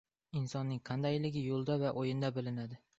• Insonning qandayligi yo‘lda va o‘yinda bilinadi.